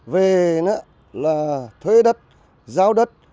về thuê đất giao đất